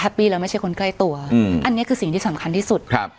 ปี้แล้วไม่ใช่คนใกล้ตัวอืมอันนี้คือสิ่งที่สำคัญที่สุดครับ